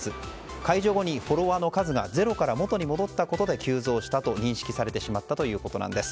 解除後に、フォロワーの数がゼロから元に戻ったことで急増したと認識されてしまったということなんです。